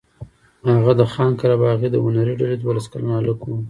هغه د خان قره باغي د هنري ډلې دولس کلن هلک و.